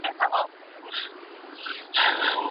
آیا علم د جهالت تیارې له منځه وړي؟ موږ به سبا سهار وختي پاڅېږو.